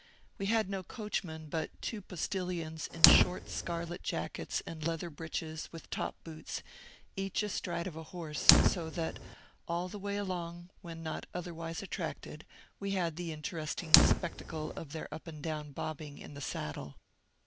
We had no coachman, but two postilions in short scarlet jackets and leather breeches with top boots, each astride of a horse; so that, all the way along, when not otherwise attracted, we had the interesting spectacle of their up and down bobbing in the saddle.